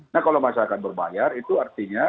nah kalau masyarakat berbayar itu artinya